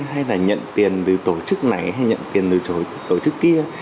hay là nhận tiền từ tổ chức này hay nhận tiền từ tổ chức kia